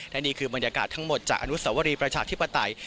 และนี่คือบรรยากาศทั้งหมดจากอนุสวรีประชาธิปไตย